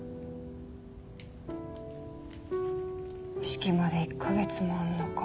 式まで１カ月もあんのか。